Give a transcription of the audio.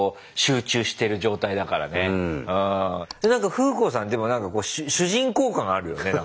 風子さんでも何かこう主人公感があるよね。